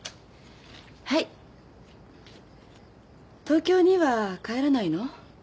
東京には帰らないの？